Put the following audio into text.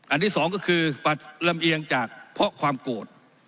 อันที่สองก็คือปราศลำเอียงเพราะความโกรธ